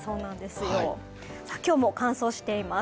今日も乾燥しています。